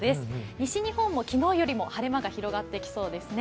西日本も、昨日よりも晴れ間が広がってきそうですね。